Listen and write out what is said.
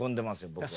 僕は。